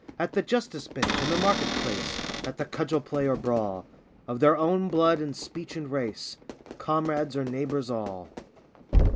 At the justice bench and the market place, At the cudgel play or brawl, Of their own blood and speech and race, Comrades or neighbours all